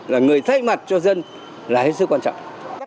là người thay mặt cho dân là hết sức quan trọng